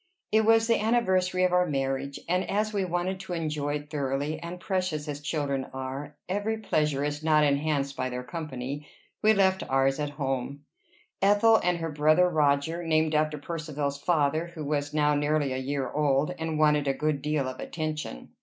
It was the anniversary of our marriage; and as we wanted to enjoy it thoroughly, and, precious as children are, every pleasure is not enhanced by their company, we left ours at home, Ethel and her brother Roger (named after Percivale's father), who was now nearly a year old, and wanted a good deal of attention.